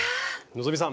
希さん